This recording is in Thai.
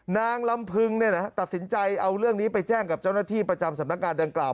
นางลำพึงตัดสินใจเอาเรื่องนี้ไปแจ้งกับเจ้าหน้าที่ประจำสำนักงานดังกล่าว